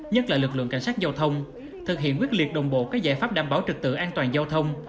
nhất là lực lượng cảnh sát giao thông thực hiện quyết liệt đồng bộ các giải pháp đảm bảo trực tự an toàn giao thông